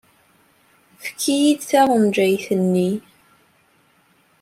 Efk-iyi-d taɣenjayt-nni.